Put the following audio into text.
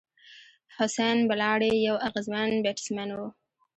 حسېن بلاڼي یو اغېزمن بېټسمېن وو.